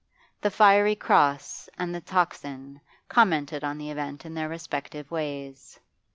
The 'Fiery Cross' and the 'Tocsin' commented on the event in their respective ways.